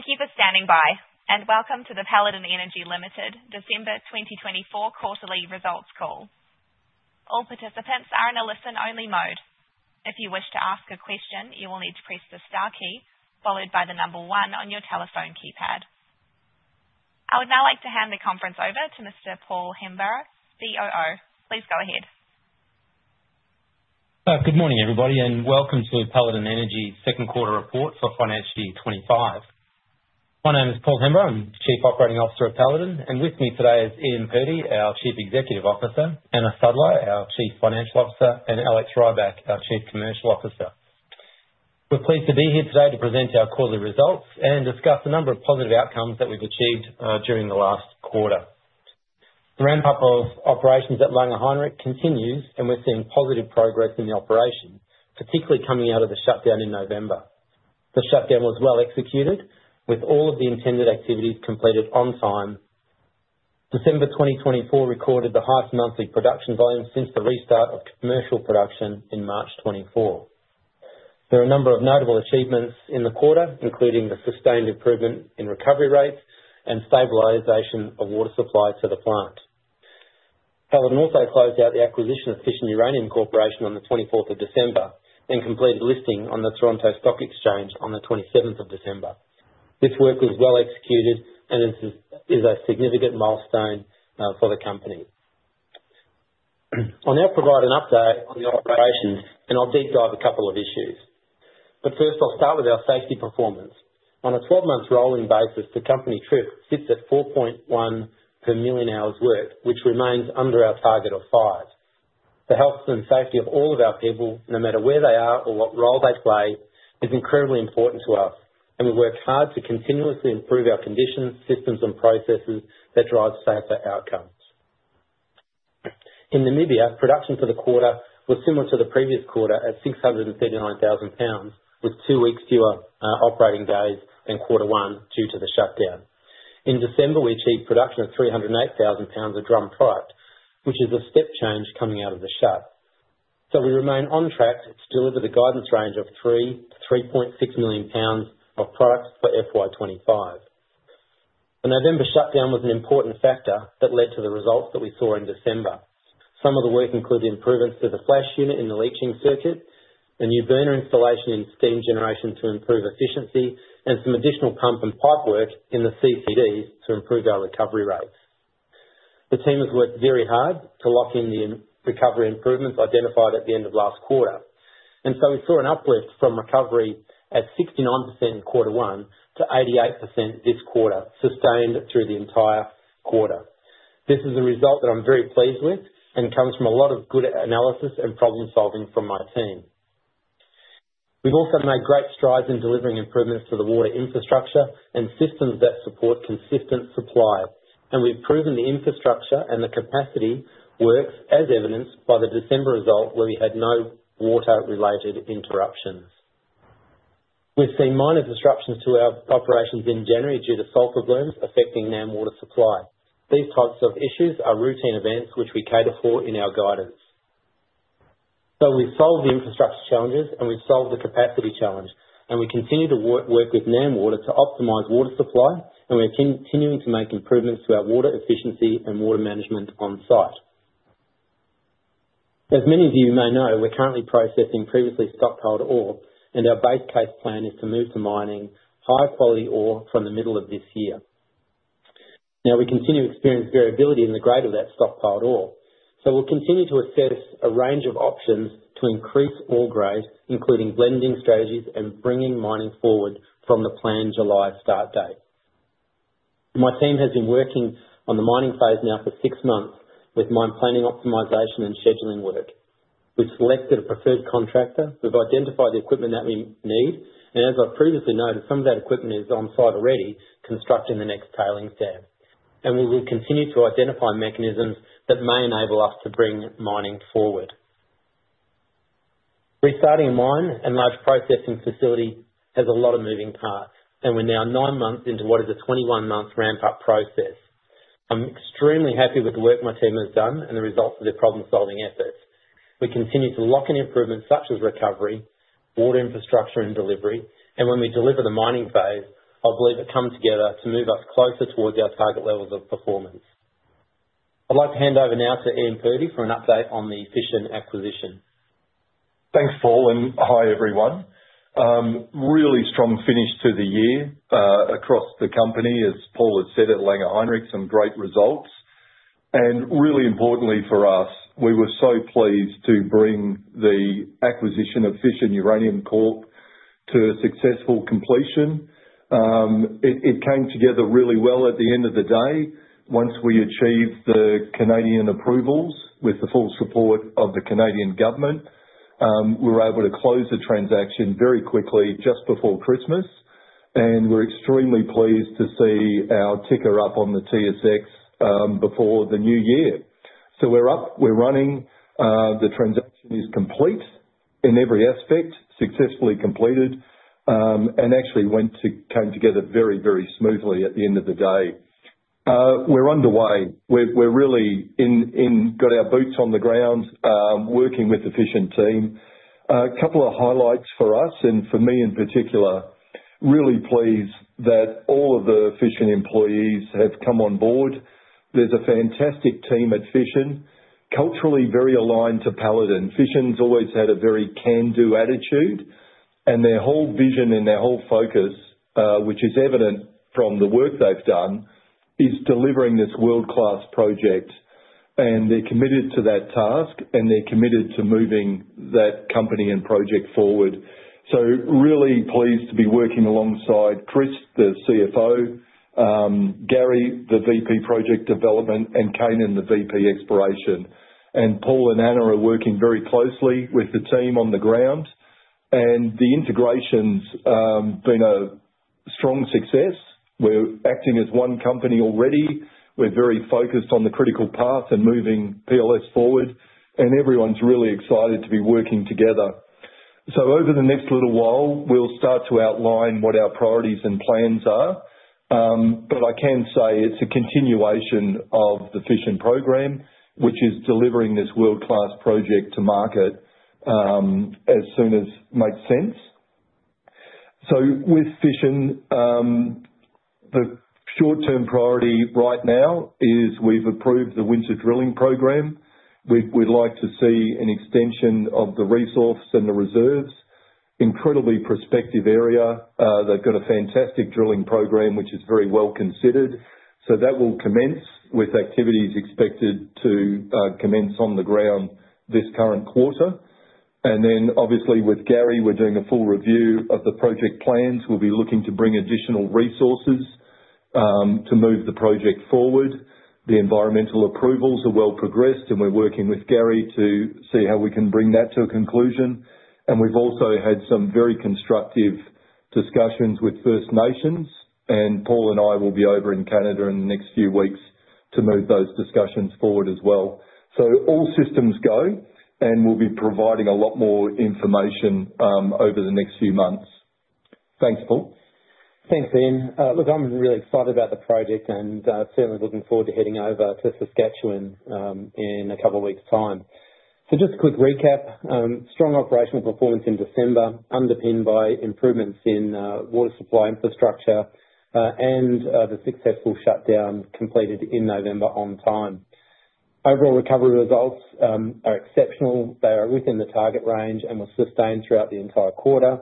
Thank you for standing by, and welcome to the Paladin Energy Ltd December 2024 quarterly results call. All participants are in a listen-only mode. If you wish to ask a question, you will need to press the star key, followed by the number one on your telephone keypad. I would now like to hand the conference over to Mr. Paul Hemburrow, COO. Please go ahead. Good morning, everybody, and welcome to Paladin Energy's second quarter report for financial year 2025. My name is Paul Hemburrow, I'm the Chief Operating Officer of Paladin, and with me today is Ian Purdy, our Chief Executive Officer, Anna Sudlow, our Chief Financial Officer, and Alex Rybak, our Chief Commercial Officer. We're pleased to be here today to present our quarterly results and discuss the number of positive outcomes that we've achieved during the last quarter. The ramp-up of operations at Langer Heinrich continues, and we're seeing positive progress in the operation, particularly coming out of the shutdown in November. The shutdown was well executed, with all of the intended activities completed on time. December 2024 recorded the highest monthly production volume since the restart of commercial production in March 2024. There are a number of notable achievements in the quarter, including the sustained improvement in recovery rates and stabilization of water supply to the plant. Paladin also closed out the acquisition of Fission Uranium Corporation on the 24th of December and completed listing on the Toronto Stock Exchange on the 27th of December. This work was well-executed and is a significant milestone for the company. I'll now provide an update on the operations, and I'll deep dive a couple of issues, but first I'll start with our safety performance. On a 12-month rolling basis, the company TRIFR sits at 4.1 per million hours worked, which remains under our target of five. The health and safety of all of our people, no matter where they are or what role they play, is incredibly important to us, and we work hard to continuously improve our conditions, systems, and processes that drive safer outcomes. In Namibia, production for the quarter was similar to the previous quarter at 639,000 lbs, with two weeks fewer operating days than quarter one due to the shutdown. In December, we achieved production of 308,000 lbs of drum product, which is a step change coming out of the shut. So we remain on track to deliver the guidance range of 3 million lbs-3.6 million lbs of product for FY 2025. The November shutdown was an important factor that led to the results that we saw in December. Some of the work included improvements to the flash unit in the leaching circuit, a new burner installation in steam generation to improve efficiency, and some additional pump and pipe work in the CCDs to improve our recovery rates. The team has worked very hard to lock in the recovery improvements identified at the end of last quarter, and so we saw an uplift from recovery at 69% in quarter one to 88% this quarter, sustained through the entire quarter. This is a result that I'm very pleased with and comes from a lot of good analysis and problem-solving from my team. We've also made great strides in delivering improvements to the water infrastructure and systems that support consistent supply, and we've proven the infrastructure and the capacity works as evidenced by the December result, where we had no water-related interruptions. We've seen minor disruptions to our operations in January due to sulfur blooms affecting NamWater supply. These types of issues are routine events which we cater for in our guidance. So we've solved the infrastructure challenges, and we've solved the capacity challenge, and we continue to work with NamWater to optimize water supply, and we're continuing to make improvements to our water efficiency and water management on-site. As many of you may know, we're currently processing previously stockpiled ore, and our base case plan is to move to mining high-quality ore from the middle of this year. Now, we continue to experience variability in the grade of that stockpiled ore, so we'll continue to assess a range of options to increase ore grade, including blending strategies and bringing mining forward from the planned July start date. My team has been working on the mining phase now for six months with mine planning optimization and scheduling work. We've selected a preferred contractor, we've identified the equipment that we need, and as I've previously noted, some of that equipment is on-site already constructing the next tailings dam, and we will continue to identify mechanisms that may enable us to bring mining forward. Restarting a mine and large processing facility has a lot of moving parts, and we're now nine months into what is a 21-month ramp-up process. I'm extremely happy with the work my team has done and the results of their problem-solving efforts. We continue to lock in improvements such as recovery, water infrastructure and delivery, and when we deliver the mining phase, I believe it comes together to move us closer towards our target levels of performance. I'd like to hand over now to Ian Purdy for an update on the Fission acquisition. Thanks, Paul, and hi everyone. Really strong finish to the year across the company, as Paul has said, at Langer Heinrich, some great results, and really importantly for us, we were so pleased to bring the acquisition of Fission Uranium Corp to a successful completion. It came together really well at the end of the day. Once we achieved the Canadian approvals with the full support of the Canadian government, we were able to close the transaction very quickly just before Christmas, and we're extremely pleased to see our ticker up on the TSX before the new year. So we're up, we're running, the transaction is complete in every aspect, successfully completed, and actually came together very, very smoothly at the end of the day. We're underway, we've really got our boots on the ground working with the Fission team. A couple of highlights for us and for me in particular, really pleased that all of the Fission employees have come on board. There's a fantastic team at Fission, culturally, very aligned to Paladin. Fission has always had a very can-do attitude, and their whole vision and their whole focus, which is evident from the work they've done, is delivering this world-class project, and they're committed to that task, and they're committed to moving that company and project forward. So really pleased to be working alongside Chris, the CFO, Gary, the VP Project Development, and Kanan, the VP Exploration. And Paul and Anna are working very closely with the team on the ground, and the integration's been a strong success. We're acting as one company already, we're very focused on the critical path and moving PLS forward, and everyone's really excited to be working together. So over the next little while, we'll start to outline what our priorities and plans are, but I can say it's a continuation of the Fission program, which is delivering this world-class project to market as soon as makes sense. So with Fission, the short-term priority right now is we've approved the winter drilling program. We'd like to see an extension of the resource and the reserves, incredibly prospective area. They've got a fantastic drilling program, which is very well considered, so that will commence with activities expected to commence on the ground this current quarter. And then obviously with Gary, we're doing a full review of the project plans. We'll be looking to bring additional resources to move the project forward. The environmental approvals are well progressed, and we're working with Gary to see how we can bring that to a conclusion. And we've also had some very constructive discussions with First Nations, and Paul and I will be over in Canada in the next few weeks to move those discussions forward as well. So all systems go, and we'll be providing a lot more information over the next few months. Thanks, Paul. Thanks, Ian. Look, I'm really excited about the project and certainly looking forward to heading over to Saskatchewan in a couple of weeks' time. So just a quick recap, strong operational performance in December, underpinned by improvements in water supply infrastructure and the successful shutdown completed in November on time. Overall recovery results are exceptional. They are within the target range and were sustained throughout the entire quarter.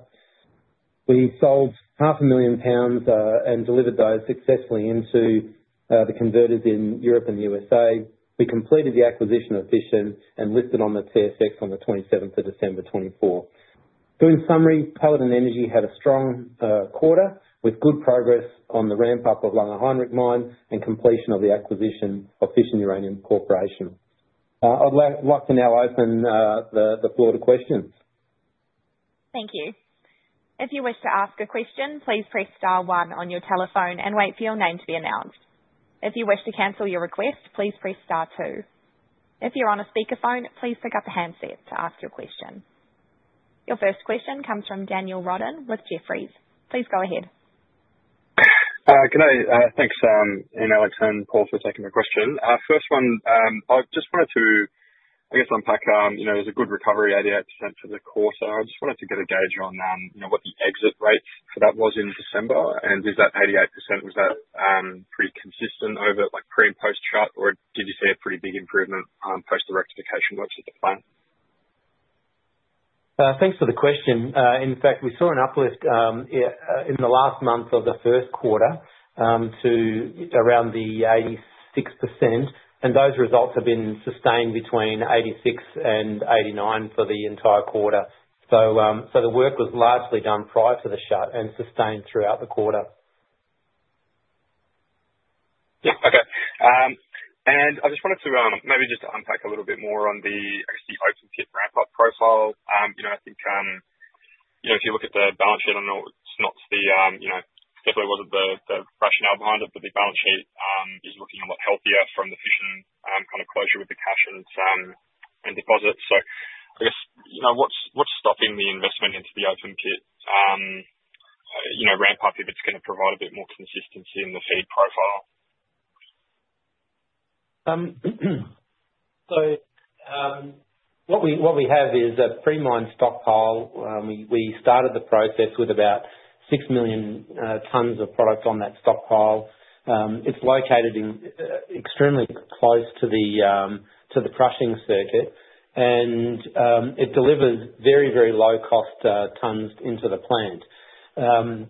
We sold 500,000 lbs and delivered those successfully into the converters in Europe and the USA. We completed the acquisition of Fission and listed on the TSX on the 27th of December 2024. So in summary, Paladin Energy had a strong quarter with good progress on the ramp-up of Langer Heinrich Mine and completion of the acquisition of Fission Uranium Corporation. I'd like to now open the floor to questions. Thank you. If you wish to ask a question, please press star one on your telephone and wait for your name to be announced. If you wish to cancel your request, please press star two. If you're on a speakerphone, please pick up a handset to ask your question. Your first question comes from Daniel Roden with Jefferies. Please go ahead. Good day, thanks Ian, Alex, and Paul for taking the question. First one, I just wanted to, I guess, unpack, you know, there's a good recovery 88% for the quarter. I just wanted to get a gauge on, you know, what the exit rate for that was in December, and is that 88%, was that pretty consistent over like pre and post-shut, or did you see a pretty big improvement post the rectification works of the plant? Thanks for the question. In fact, we saw an uplift in the last month of the first quarter to around the 86%, and those results have been sustained between 86% and 89% for the entire quarter. So the work was largely done prior to the shut and sustained throughout the quarter. Yeah, okay. And I just wanted to maybe just unpack a little bit more on the, I guess, the open pit ramp-up profile. You know, I think, you know, if you look at the balance sheet, I know it's not the, you know, definitely wasn't the rationale behind it, but the balance sheet is looking a lot healthier from the Fission acquisition closure with the cash and deposits. So I guess, you know, what's stopping the investment into the open pit, you know, ramp-up if it's going to provide a bit more consistency in the feed profile? What we have is a pre-mine stockpile. We started the process with about six million tons of product on that stockpile. It's located extremely close to the crushing circuit, and it delivers very, very low-cost tons into the plant.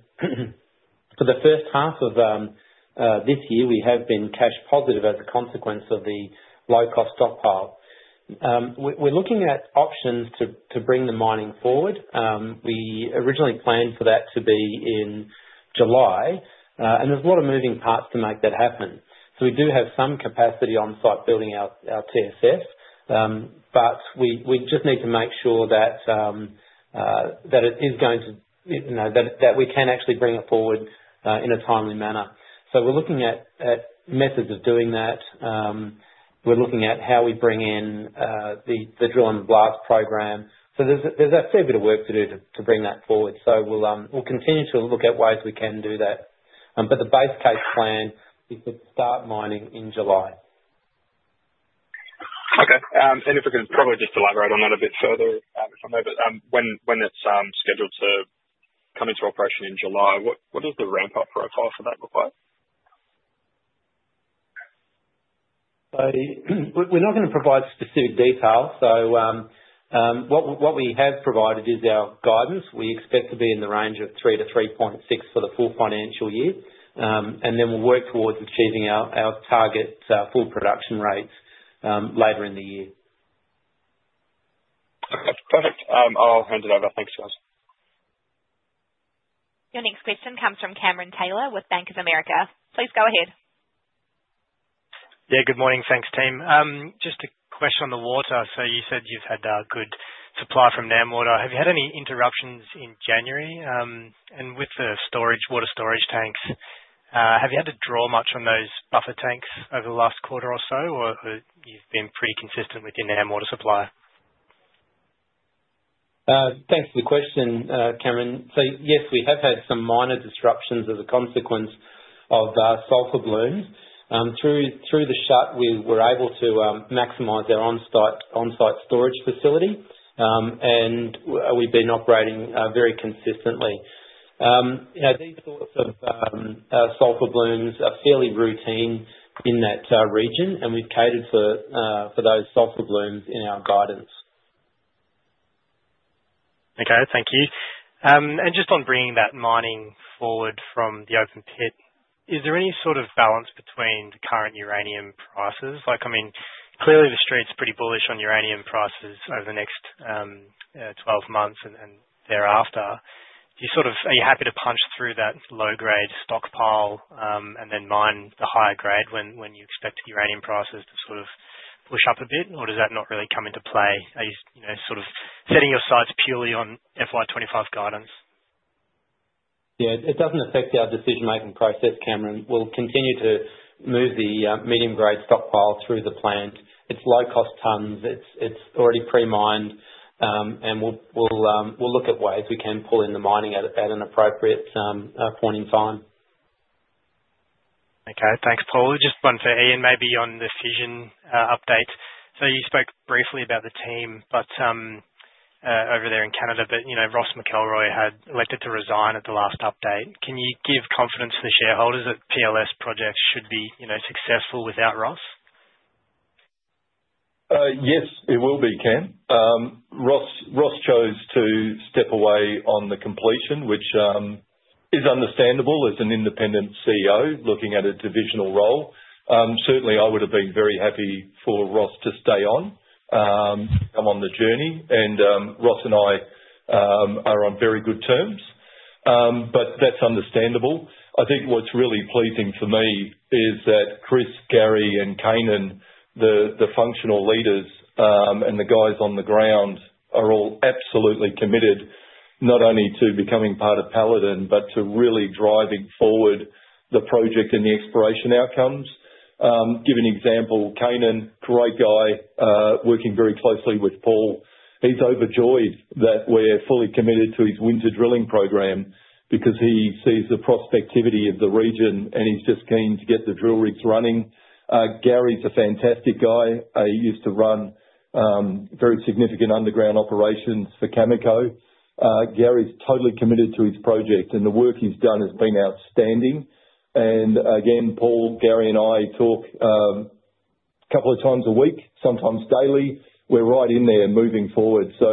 For the first half of this year, we have been cash positive as a consequence of the low-cost stockpile. We're looking at options to bring the mining forward. We originally planned for that to be in July, and there's a lot of moving parts to make that happen. We do have some capacity on-site building our TSF, but we just need to make sure that it is going to, you know, that we can actually bring it forward in a timely manner. We're looking at methods of doing that. We're looking at how we bring in the drill and blast program. So there's a fair bit of work to do to bring that forward, so we'll continue to look at ways we can do that. But the base case plan is to start mining in July. Okay. And if we can probably just elaborate on that a bit further, if I may, but when it's scheduled to come into operation in July, what does the ramp-up profile for that look like? We're not going to provide specific detail. What we have provided is our guidance. We expect to be in the range of three to 3.6 for the full financial year, and then we'll work towards achieving our target full production rate later in the year. Okay, perfect. I'll hand it over. Thanks, guys. Your next question comes from Cameron Taylor with Bank of America. Please go ahead. Yeah, good morning. Thanks, team. Just a question on the water. So you said you've had good supply from NamWater. Have you had any interruptions in January? And with the storage, water storage tanks, have you had to draw much on those buffer tanks over the last quarter or so, or you've been pretty consistent with your NamWater supply? Thanks for the question, Cameron. So yes, we have had some minor disruptions as a consequence of sulfur blooms. Through the shutdown, we were able to maximize our on-site storage facility, and we've been operating very consistently. You know, these sorts of sulfur blooms are fairly routine in that region, and we've catered for those sulfur blooms in our guidance. Okay, thank you. And just on bringing that mining forward from the open pit, is there any sort of balance between the current uranium prices? Like, I mean, clearly the street's pretty bullish on uranium prices over the next 12 months and thereafter. Do you sort of, are you happy to punch through that low-grade stockpile and then mine the higher grade when you expect uranium prices to sort of push up a bit, or does that not really come into play? Are you, you know, sort of setting your sights purely on FY 2025 guidance? Yeah, it doesn't affect our decision-making process, Cameron. We'll continue to move the medium-grade stockpile through the plant. It's low-cost tons. It's already pre-mined, and we'll look at ways we can pull in the mining at an appropriate point in time. Okay, thanks, Paul. Just one for Ian, maybe on the Fission update. So you spoke briefly about the team, but over there in Canada, you know, Ross McElroy had elected to resign at the last update. Can you give confidence to the shareholders that PLS projects should be, you know, successful without Ross? Yes, it will be, Cam. Ross chose to step away on the completion, which is understandable as an independent CEO looking at a divisional role. Certainly, I would have been very happy for Ross to stay on, come on the journey, and Ross and I are on very good terms, but that's understandable. I think what's really pleasing for me is that Chris, Gary, and Kanan, the functional leaders and the guys on the ground are all absolutely committed not only to becoming part of Paladin, but to really driving forward the project and the exploration outcomes. Give an example, Kanan, great guy, working very closely with Paul. He's overjoyed that we're fully committed to his winter drilling program because he sees the prospectivity of the region and he's just keen to get the drill rigs running. Gary's a fantastic guy. He used to run very significant underground operations for Cameco. Gary's totally committed to his project, and the work he's done has been outstanding. And again, Paul, Gary, and I talk a couple of times a week, sometimes daily. We're right in there moving forward. So,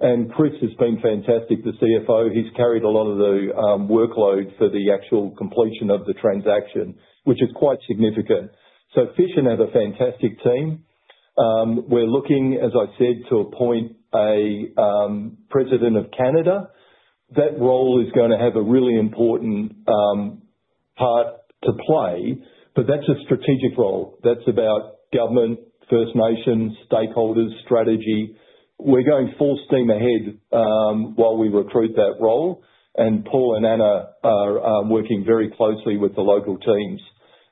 and Chris has been fantastic, the CFO. He's carried a lot of the workload for the actual completion of the transaction, which is quite significant. So Fission has a fantastic team. We're looking, as I said, to appoint a president of Canada. That role is going to have a really important part to play, but that's a strategic role. That's about government, First Nations, stakeholders, strategy. We're going full steam ahead while we recruit that role, and Paul and Anna are working very closely with the local teams.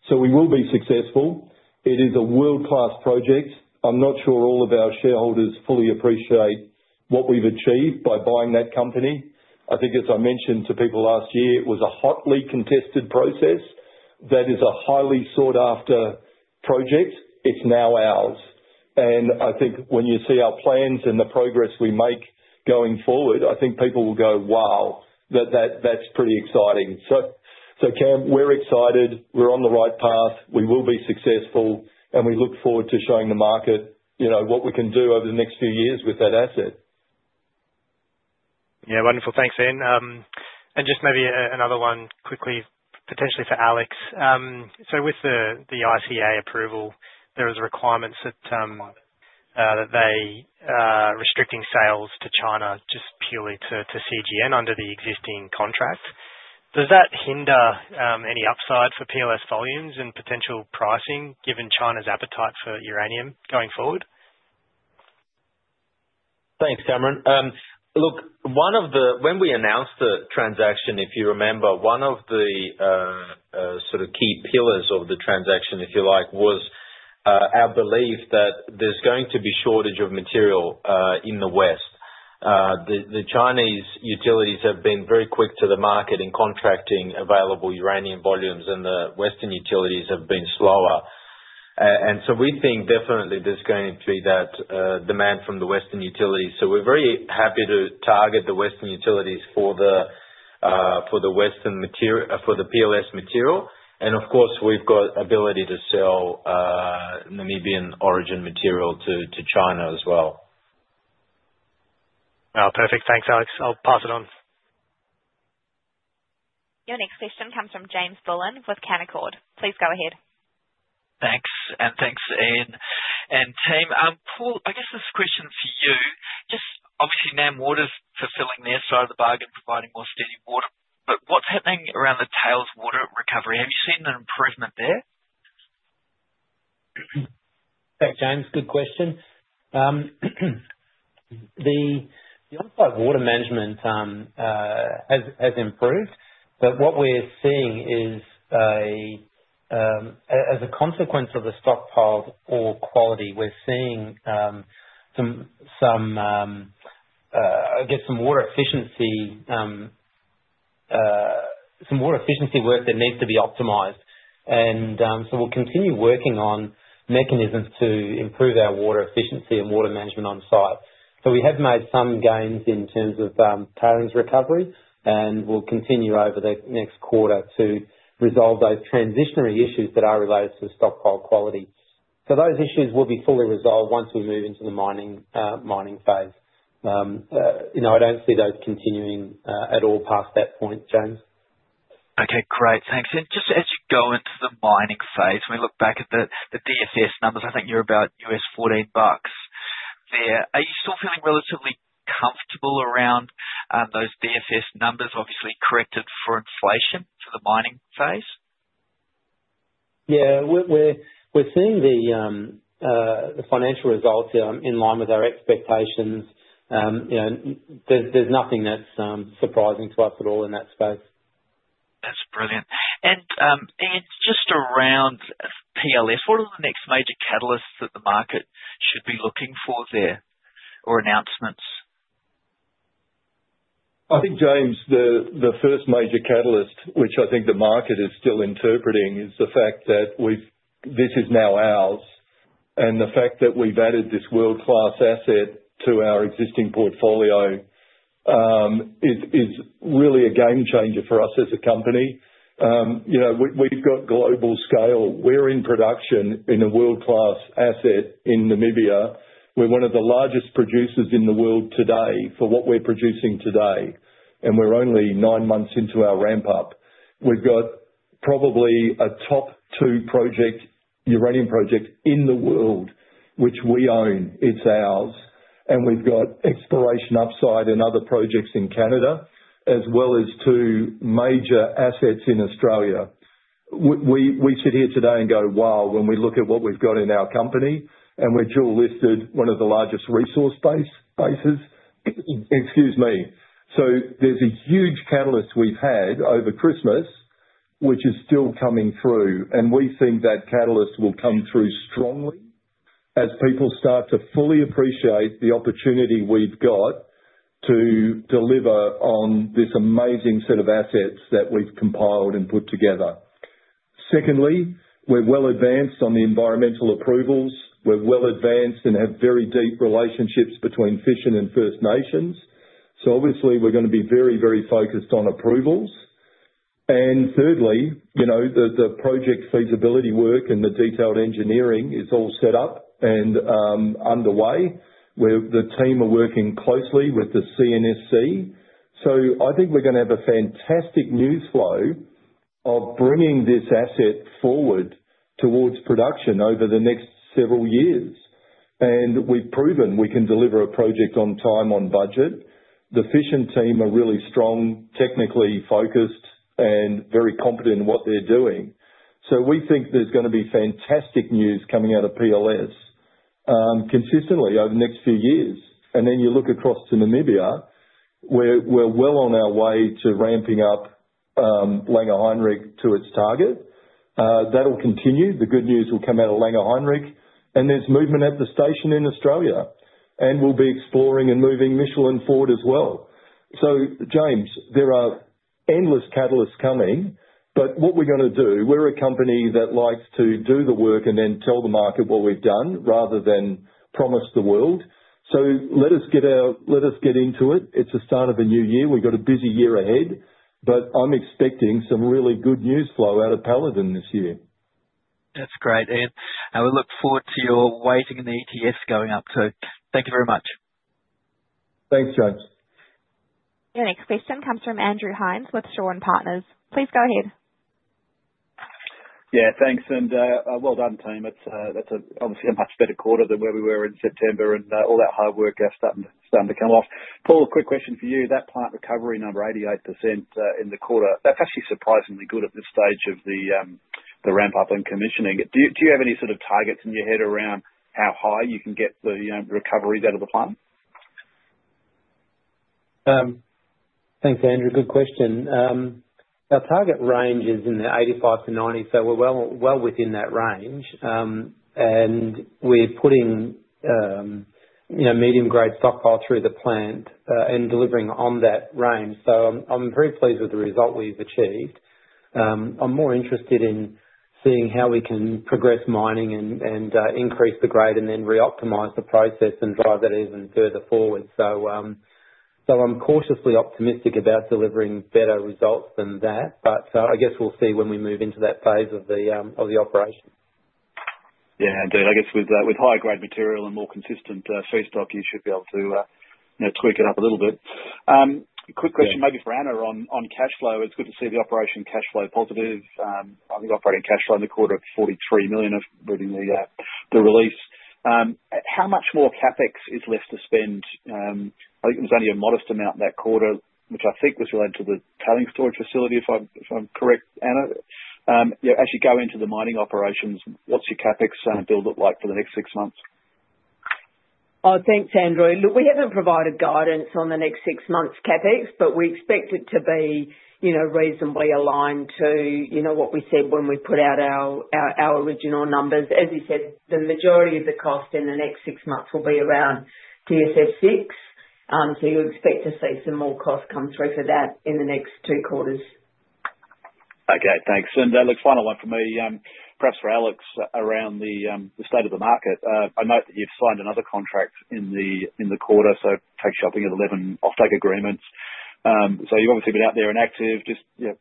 So we will be successful. It is a world-class project. I'm not sure all of our shareholders fully appreciate what we've achieved by buying that company. I think, as I mentioned to people last year, it was a hotly contested process. That is a highly sought-after project. It's now ours. And I think when you see our plans and the progress we make going forward, I think people will go, "Wow, that's pretty exciting." So, Cam, we're excited. We're on the right path. We will be successful, and we look forward to showing the market, you know, what we can do over the next few years with that asset. Yeah, wonderful. Thanks, Ian. And just maybe another one quickly, potentially for Alex. So with the ICA approval, there are requirements that they are restricting sales to China just purely to CGN under the existing contract. Does that hinder any upside for PLS volumes and potential pricing given China's appetite for uranium going forward? Thanks, Cameron. Look, one of the, when we announced the transaction, if you remember, one of the sort of key pillars of the transaction, if you like, was our belief that there's going to be a shortage of material in the West. The Chinese utilities have been very quick to the market in contracting available uranium volumes, and the Western utilities have been slower. And so we think definitely there's going to be that demand from the Western utilities. So we're very happy to target the Western utilities for the Western material, for the PLS material. And of course, we've got the ability to sell Namibian origin material to China as well. Wow, perfect. Thanks, Alex. I'll pass it on. Your next question comes from James Bullen with Canaccord. Please go ahead. Thanks, and thanks, Ian. And, team, Paul, I guess this question for you, just obviously NamWater's fulfilling their side of the bargain, providing more steady water, but what's happening around the tailings water recovery? Have you seen an improvement there? Thanks, James. Good question. The on-site water management has improved, but what we're seeing is, as a consequence of the stockpile ore quality, we're seeing some, I guess, some water efficiency, some water efficiency work that needs to be optimized. And so we'll continue working on mechanisms to improve our water efficiency and water management on-site. So we have made some gains in terms of Paladin's recovery, and we'll continue over the next quarter to resolve those transitional issues that are related to the stockpile quality. So those issues will be fully resolved once we move into the mining phase. You know, I don't see those continuing at all past that point, James. Okay, great. Thanks, and just as you go into the mining phase, when we look back at the DFS numbers, I think you're about $14 there. Are you still feeling relatively comfortable around those DFS numbers, obviously corrected for inflation for the mining phase? Yeah, we're seeing the financial results in line with our expectations. You know, there's nothing that's surprising to us at all in that space. That's brilliant. Ian, just around PLS, what are the next major catalysts that the market should be looking for there or announcements? I think, James, the first major catalyst, which I think the market is still interpreting, is the fact that this is now ours, and the fact that we've added this world-class asset to our existing portfolio is really a game changer for us as a company. You know, we've got global scale. We're in production in a world-class asset in Namibia. We're one of the largest producers in the world today for what we're producing today, and we're only nine months into our ramp-up. We've got probably a top two project, uranium project in the world, which we own. It's ours. And we've got exploration upside and other projects in Canada, as well as two major assets in Australia. We sit here today and go, "Wow," when we look at what we've got in our company, and we're dual-listed, one of the largest resource bases. Excuse me. There's a huge catalyst we've had over Christmas, which is still coming through, and we think that catalyst will come through strongly as people start to fully appreciate the opportunity we've got to deliver on this amazing set of assets that we've compiled and put together. Secondly, we're well advanced on the environmental approvals. We're well advanced and have very deep relationships between Fission and First Nations. So obviously, we're going to be very, very focused on approvals. And thirdly, you know, the project feasibility work and the detailed engineering is all set up and underway. The team are working closely with the CNSC. So I think we're going to have a fantastic news flow of bringing this asset forward towards production over the next several years. And we've proven we can deliver a project on time on budget. The Fission team are really strong, technically focused, and very competent in what they're doing. So we think there's going to be fantastic news coming out of PLS consistently over the next few years. Then you look across to Namibia, we're well on our way to ramping up Langer Heinrich to its target. That'll continue. The good news will come out of Langer Heinrich, and there's movement at the station in Australia, and we'll be exploring and moving the Michelin project as well. James, there are endless catalysts coming, but what we're going to do, we're a company that likes to do the work and then tell the market what we've done rather than promise the world. Let us get out, let us get into it. It's the start of a new year. We've got a busy year ahead, but I'm expecting some really good news flow out of Paladin this year. That's great, Ian, and we look forward to your weighing in the ETS going up, too. Thank you very much. Thanks, James. Your next question comes from Andrew Hines with Shaw and Partners. Please go ahead. Yeah, thanks and well done, team. That's obviously a much better quarter than where we were in September, and all that hard work is starting to come off. Paul, a quick question for you. That plant recovery number, 88% in the quarter, that's actually surprisingly good at this stage of the ramp-up and commissioning. Do you have any sort of targets in your head around how high you can get the recoveries out of the plant? Thanks, Andrew. Good question. Our target range is in the 85-90, so we're well within that range. And we're putting, you know, medium-grade stockpile through the plant and delivering on that range. So I'm very pleased with the result we've achieved. I'm more interested in seeing how we can progress mining and increase the grade and then re-optimize the process and drive that even further forward. So I'm cautiously optimistic about delivering better results than that, but I guess we'll see when we move into that phase of the operation. Yeah, I do. I guess with higher grade material and more consistent feedstock, you should be able to tweak it up a little bit. Quick question maybe for Anna on cash flow. It's good to see the operating cash flow positive. I think operating cash flow in the quarter of $43 million within the release. How much more CapEx is left to spend? I think there was only a modest amount that quarter, which I think was related to the tailings storage facility, if I'm correct, Anna. Yeah, as you go into the mining operations, what's your CapEx build-up like for the next six months? Oh, thanks, Andrew. Look, we haven't provided guidance on the next six months' CapEx, but we expect it to be, you know, reasonably aligned to, you know, what we said when we put out our original numbers. As you said, the majority of the cost in the next six months will be around DFS, so you expect to see some more cost come through for that in the next two quarters. Okay, thanks. And look, final one for me, perhaps for Alex around the state of the market. I note that you've signed another contract in the quarter, so taking us to 11 off-take agreements. So you've obviously been out there and active. Just, yeah,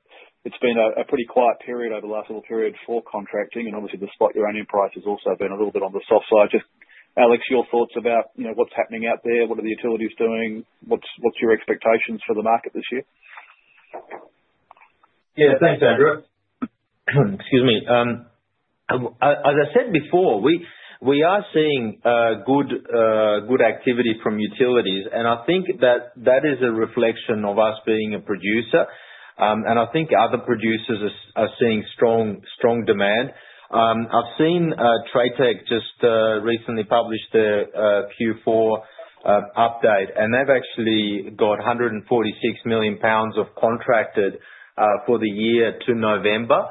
it's been a pretty quiet period over the last little period for contracting, and obviously the spot uranium price has also been a little bit on the soft side. Just, Alex, your thoughts about, you know, what's happening out there? What are the utilities doing? What's your expectations for the market this year? Yeah, thanks, Andrew. Excuse me. As I said before, we are seeing good activity from utilities, and I think that that is a reflection of us being a producer, and I think other producers are seeing strong demand. I've seen TradeTech just recently published their Q4 update, and they've actually got 146 million lbs contracted for the year to November,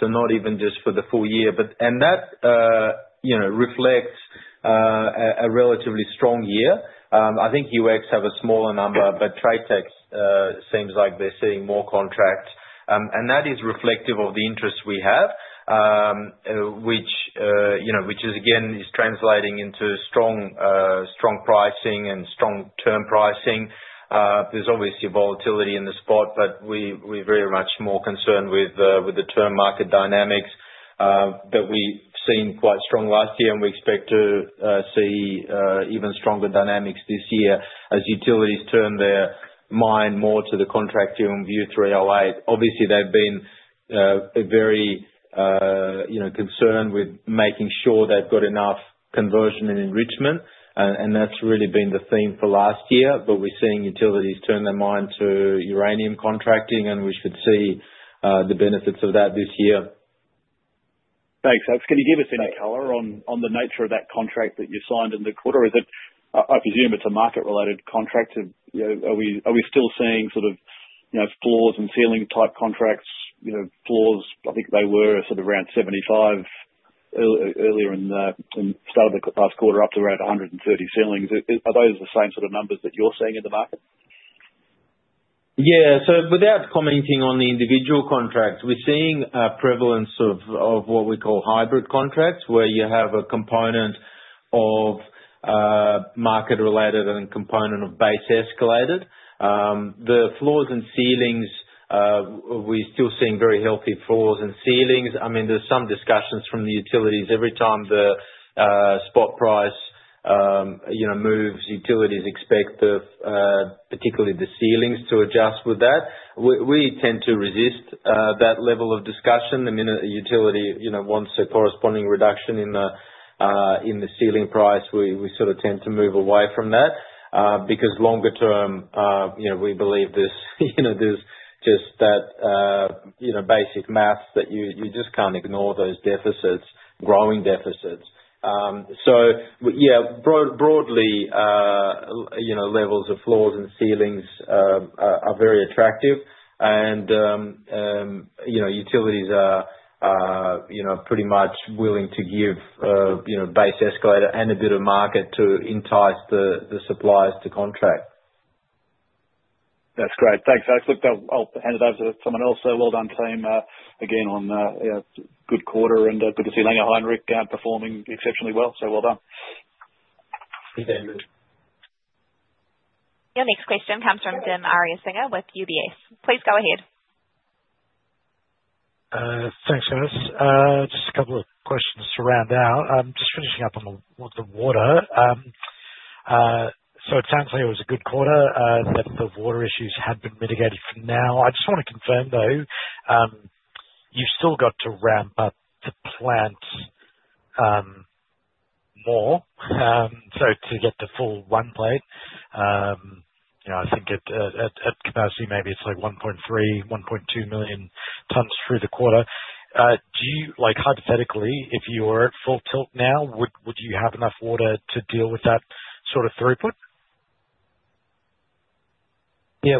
so not even just for the full year. But and that, you know, reflects a relatively strong year. I think UX have a smaller number, but TradeTech seems like they're seeing more contracts. And that is reflective of the interest we have, which, you know, which is, again, is translating into strong pricing and strong term pricing. There's obviously volatility in the spot, but we're very much more concerned with the term market dynamics that we've seen quite strong last year, and we expect to see even stronger dynamics this year as utilities turn their mind more to the contracting U3O8. Obviously, they've been very, you know, concerned with making sure they've got enough conversion and enrichment, and that's really been the theme for last year. But we're seeing utilities turn their mind to uranium contracting, and we should see the benefits of that this year. Thanks, Alex. Can you give us any color on the nature of that contract that you signed in the quarter? Is it, I presume, it's a market-related contract? Are we still seeing sort of, you know, floors and ceiling-type contracts? You know, floors, I think they were sort of around $75 earlier in the start of the past quarter up to around $130 ceilings. Are those the same sort of numbers that you're seeing in the market? Yeah, so without commenting on the individual contract, we're seeing a prevalence of what we call hybrid contracts where you have a component of market-related and a component of base-escalated. The floors and ceilings, we're still seeing very healthy floors and ceilings. I mean, there's some discussions from the utilities. Every time the spot price, you know, moves, utilities expect particularly the ceilings to adjust with that. We tend to resist that level of discussion. The minute a utility, you know, wants a corresponding reduction in the ceiling price, we sort of tend to move away from that because longer term, you know, we believe there's, you know, there's just that, you know, basic math that you just can't ignore those deficits, growing deficits. So, yeah, broadly, you know, levels of floors and ceilings are very attractive, and, you know, utilities are, you know, pretty much willing to give, you know, base-escalated and a bit of market to entice the suppliers to contract. That's great. Thanks, Alex. Look, I'll hand it over to someone else. Well done, team, again on, yeah, good quarter, and good to see Langer Heinrich performing exceptionally well. So well done. Thank you, Andrew. Your next question comes from Dim Ariyasinghe with UBS. Please go ahead. Thanks, Ernest. Just a couple of questions to round out. I'm just finishing up on the water. So it sounds like it was a good quarter that the water issues had been mitigated for now. I just want to confirm, though, you've still got to ramp up the plant more, so to get the full run rate. You know, I think at capacity maybe it's like 1.3 million tons, 1.2 million tons through the quarter. Do you, like, hypothetically, if you were at full tilt now, would you have enough water to deal with that sort of throughput? Yeah,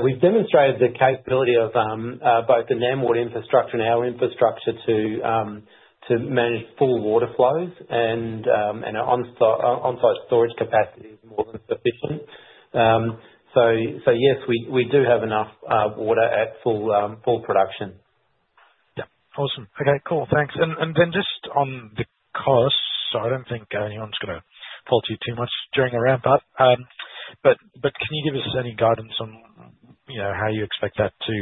we've demonstrated the capability of both the NamWater infrastructure and our infrastructure to manage full water flows, and our onsite storage capacity is more than sufficient. So, yes, we do have enough water at full production. Yeah, awesome. Okay, cool. Thanks. And then just on the cost, so I don't think anyone's going to fault you too much during the ramp-up, but can you give us any guidance on, you know, how you expect that to,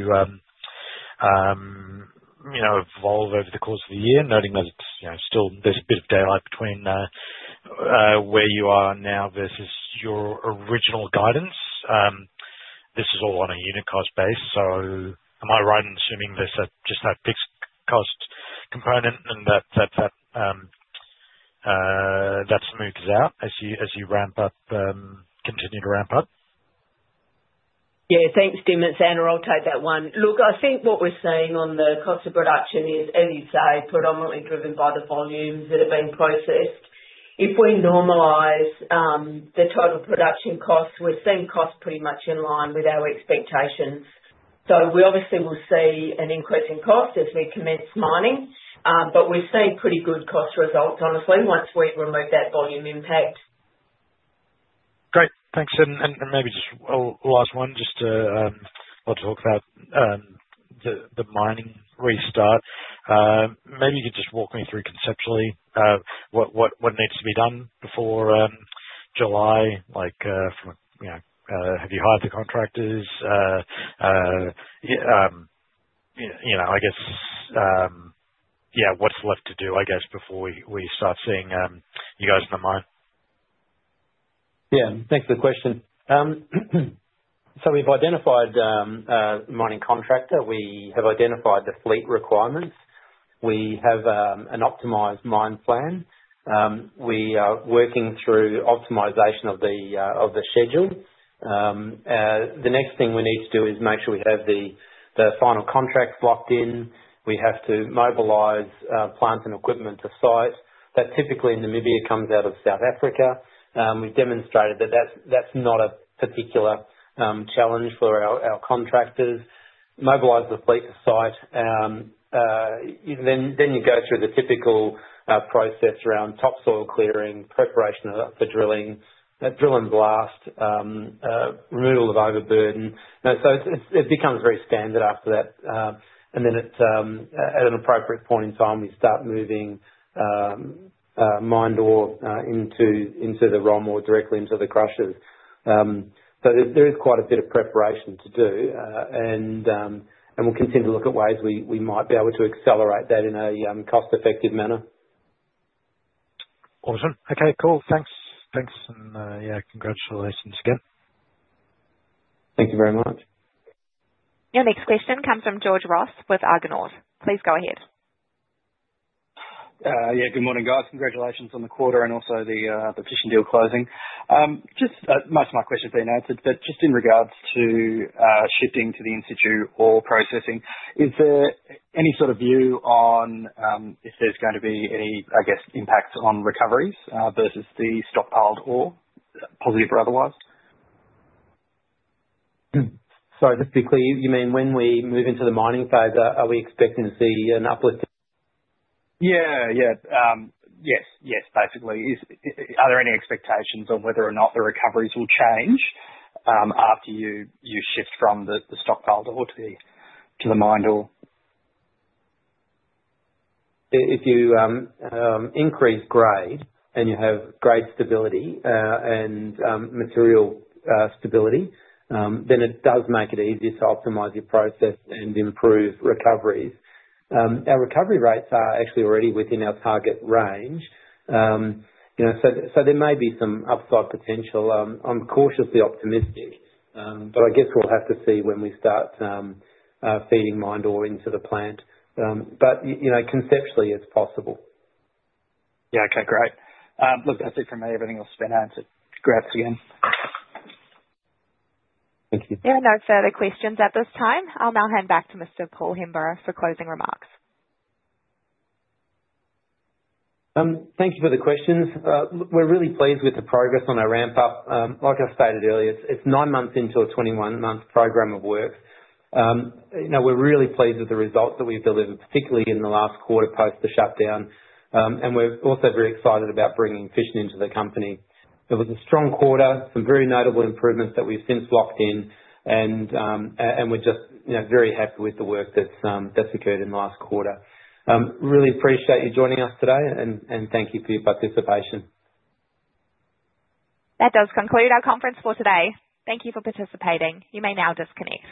you know, evolve over the course of the year, noting that it's, you know, still there's a bit of daylight between where you are now versus your original guidance? This is all on a unit cost base, so am I right in assuming there's just that fixed cost component and that that smooths out as you ramp up, continue to ramp up? Yeah, thanks, Dim. It's Anna Sudlow, that one. Look, I think what we're seeing on the cost of production is, as you say, predominantly driven by the volumes that are being processed. If we normalize the total production cost, we're seeing costs pretty much in line with our expectations. So we obviously will see an increase in cost as we commence mining, but we've seen pretty good cost results, honestly, once we've removed that volume impact. Great. Thanks. And maybe just a last one, just to talk about the mining restart. Maybe you could just walk me through conceptually what needs to be done before July, like from, you know, have you hired the contractors? You know, I guess, yeah, what's left to do, I guess, before we start seeing you guys in the mine? Yeah, thanks for the question. So we've identified the mining contractor. We have identified the fleet requirements. We have an optimized mine plan. We are working through optimization of the schedule. The next thing we need to do is make sure we have the final contracts locked in. We have to mobilize plants and equipment to site. That typically in Namibia comes out of South Africa. We've demonstrated that that's not a particular challenge for our contractors. Mobilize the fleet to site. Then you go through the typical process around topsoil clearing, preparation for drilling, drill and blast, removal of overburden. So it becomes very standard after that. And then at an appropriate point in time, we start moving mined ore into the ROM or directly into the crushers. So there is quite a bit of preparation to do, and we'll continue to look at ways we might be able to accelerate that in a cost-effective manner. Awesome. Okay, cool. Thanks. Thanks, and yeah, congratulations again. Thank you very much. Your next question comes from George Ross with Argonaut. Please go ahead. Yeah, good morning, guys. Congratulations on the quarter and also the Fission deal closing. Just most of my questions being answered, but just in regards to shifting to the in-situ ore processing, is there any sort of view on if there's going to be any, I guess, impacts on recoveries versus the stockpiled ore, positive or otherwise? Sorry, just to be clear, you mean when we move into the mining phase, are we expecting to see an uplift? Yes, basically. Are there any expectations on whether or not the recoveries will change after you shift from the stockpiled ore to the ROM ore? If you increase grade and you have grade stability and material stability, then it does make it easier to optimize your process and improve recoveries. Our recovery rates are actually already within our target range, you know, so there may be some upside potential. I'm cautiously optimistic, but I guess we'll have to see when we start feeding mine ore into the plant. But, you know, conceptually, it's possible. Yeah, okay, great. Look, that's it from me. Everything else has been answered. Congrats again. Thank you. There are no further questions at this time. I'll now hand back to Mr. Paul Hemburrow for closing remarks. Thank you for the questions. We're really pleased with the progress on our ramp-up. Like I stated earlier, it's nine months into a 21-month program of work. You know, we're really pleased with the results that we've delivered, particularly in the last quarter post the shutdown, and we're also very excited about bringing Fission into the company. It was a strong quarter, some very notable improvements that we've since locked in, and we're just, you know, very happy with the work that's occurred in the last quarter. Really appreciate you joining us today, and thank you for your participation. That does conclude our conference for today. Thank you for participating. You may now disconnect.